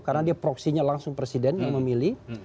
karena dia proksinya langsung presiden yang memilih